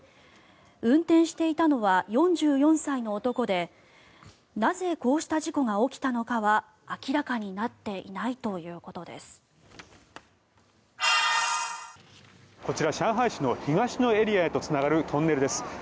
運転していたのは４４歳の男でなぜこうした事故が起きたのかは明らかになっていないということです。